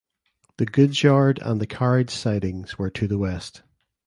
The goods yard and the carriage sidings were to the west.